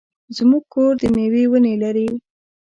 زمونږ کور د مېوې ونې لري.